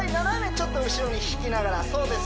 ちょっと後ろに引きながらそうです